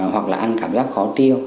hoặc là ăn cảm giác khó tiêu